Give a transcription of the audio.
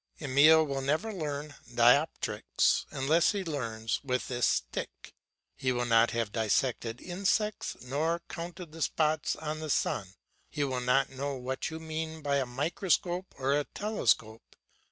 Emile will never learn dioptrics unless he learns with this stick. He will not have dissected insects nor counted the spots on the sun; he will not know what you mean by a microscope or a telescope.